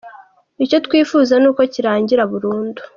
Icyo twifuza ni uko kirangira burundu.